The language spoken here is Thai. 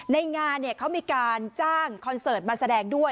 ในงานเขามีการจ้างคอนเสิร์ตมาแสดงด้วย